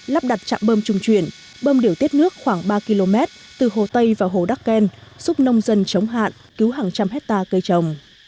lắp đặt trạm bơm trùng chuyển bơm điều tiết nước khoảng ba km từ hồ tây vào hồ đắk ken giúp nông dân chống hạn cứu hàng trăm hectare cây trồng